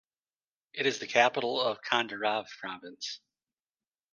It is the capital of Candarave Province.